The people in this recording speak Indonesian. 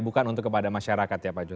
bukan untuk kepada masyarakat ya pak jo